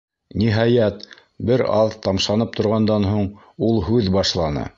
Ниһайәт, бер аҙ тамшанып торғандан һуң ул һүҙ башланы.